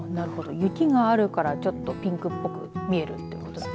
雪があるからちょっとピンクっぽく見えるということですね。